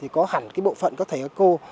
có hẳn bộ phận có thể cô